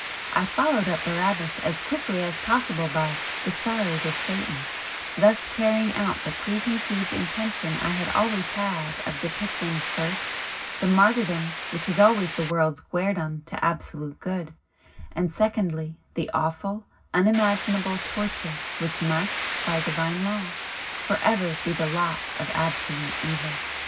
I followed up "Barabbas" as quickly as possible by "The Sorrows of Satan," thus carrying out the preconceived intention I had always had of depicting, first, the martyrdom which is always the world's guerdon to Absolute Good, and secondly, the awful, unimaginable torture which must, by Divine Law, for ever be the lot of Absolute Evil.